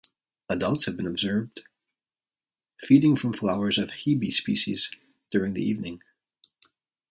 Adults have been observed feeding from flowers of "Hebe" species during the evening.